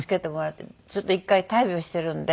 ちょっと１回大病してるので。